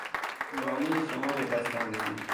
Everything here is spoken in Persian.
نامهٔ شما بدستم رسید.